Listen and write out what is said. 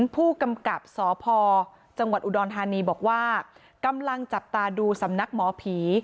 ผู้กำกับสพจังหวัดอุดรธานีบอกว่ากำลังจับตาดูสำนักหมอผี